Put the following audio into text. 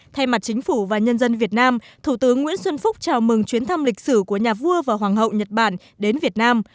thay mặt chính phủ và nhân dân việt nam thủ tướng nguyễn xuân phúc chào mừng chuyến thăm lịch sử của nhà vua và hoàng hậu nhật bản đến việt nam